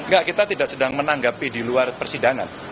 enggak kita tidak sedang menanggapi di luar persidangan